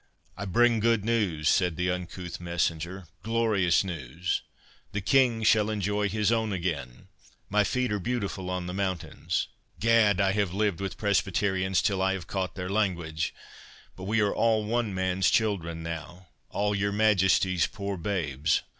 "I bring good news," said the uncouth messenger, "glorious news!—the King shall enjoy his own again!—My feet are beautiful on the mountains. Gad, I have lived with Presbyterians till I have caught their language— but we are all one man's children now—all your Majesty's poor babes.